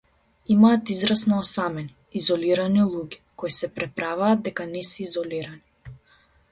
Имаат израз на осамени, изолирани луѓе, кои се преправаат дека не се изолирани.